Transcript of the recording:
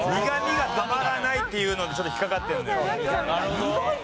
苦みがたまらないっていうのにちょっと引っかかってるのよ。